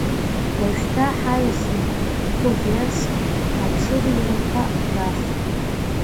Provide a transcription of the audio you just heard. Уажәшьҭа ҳаиасуеит хә-верск аҽырҩрақәа рахь!